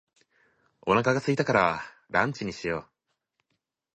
お腹が空いたからランチにしよう。